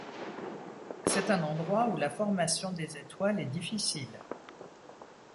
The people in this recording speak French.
C'est un endroit où la formation des étoiles est difficile.